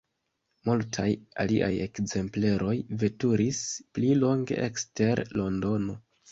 Multaj aliaj ekzempleroj veturis pli longe ekster Londono.